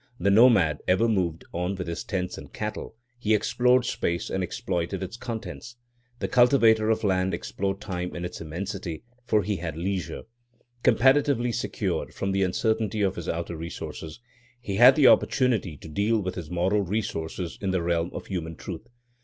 The nomad ever moved on with his tents and cattle; he explored space and exploited its contents. The cultivator of land explored time in its immensity, for he had leisure. Comparatively secured from the uncertainty of his outer resources, he had the opportunity to deal with his moral resources in the realm of human truth.